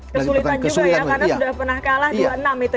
kesulitan juga ya karena sudah pernah kalah dua enam itu